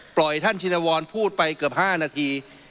ท่านชินวรพูดไปเกือบ๕นาที